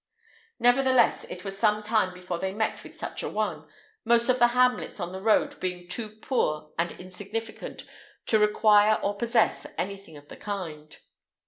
Nevertheless, it was some time before they met with such a one, most of the hamlets on the road being too poor and insignificant to require or possess anything of the kind.